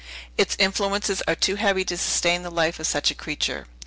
Its influences are too heavy to sustain the life of such a creature."